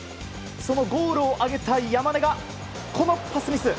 そのゴールを挙げた山根がこのパスミス。